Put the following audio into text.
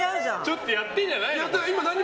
ちょっとやってるんじゃないの？